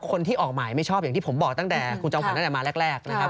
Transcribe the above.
คนที่ออกหมายไม่ชอบอย่างที่ผมบอกตั้งแต่คุณจอมขวัญตั้งแต่มาแรกนะครับ